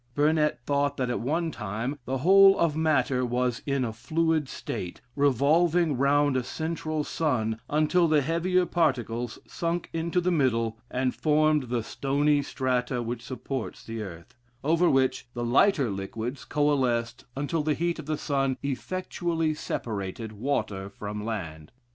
Burnet thought that at one time the whole of matter was in a fluid state, revolving round a central sun, until the heavier particles sunk into the middle, and formed the stony strata which supports the earth, over which the lighter liquids coalesced until the heat of the sun effectually separated water from land.